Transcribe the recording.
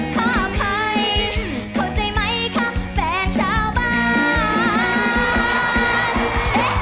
ฆ่าใครเข้าใจไหมคะแฟนชาวบ้าน